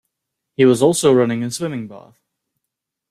He was also running a swimming bath.